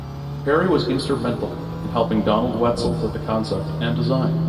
Perry was instrumental in helping Donald Wetzel with the concept and design.